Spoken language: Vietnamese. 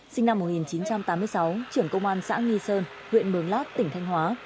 sinh năm một nghìn chín trăm tám mươi sáu trưởng công an xã nghi sơn huyện mường lát tỉnh thanh hóa